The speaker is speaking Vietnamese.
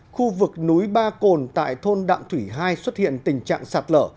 khu vực núi ba cồn tại thôn đạm thủy hai xuất hiện tình trạng sạt lở